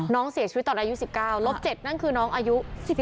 น้องเสียชีวิตตอนอายุ๑๙ลบ๗นั่นคือน้องอายุ